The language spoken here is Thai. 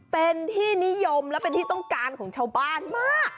เป็นที่นิยมและเป็นที่ต้องการของชาวบ้านมาก